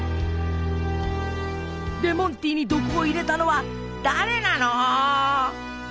レモンティーに毒を入れたのは誰なの？